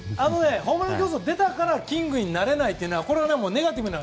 ホームラン競争、出たからキングになれないというのはネガティブな。